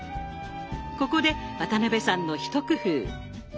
ここで渡辺さんの一工夫。